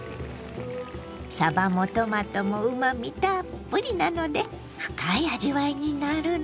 さばもトマトもうまみたっぷりなので深い味わいになるの。